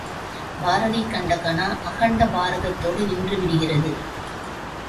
பாரதி கண்ட கனா அகண்ட பாரதத்தோடு நின்றுவிடுகிறது.